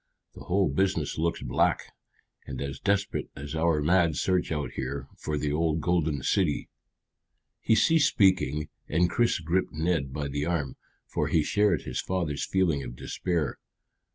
The whole business looks black, and as desperate as our mad search out here for the old golden city." He ceased speaking, and Chris gripped Ned by the arm, for he shared his father's feeling of despair.